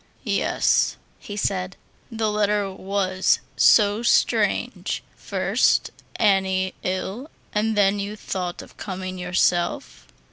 "Yes," he said, "the letter was so strange. First, Annie ill, and then you thought of coming yourself."